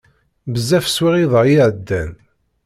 Bezzaf swiɣ iḍ-a iεeddan.